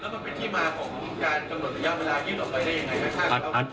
แล้วเป็นที่มาของการกำหนดระยะเวลายึดออกไปได้ยังไง